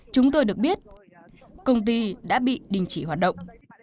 chúng tôi được biết công ty đã bị đình chỉ hoạt động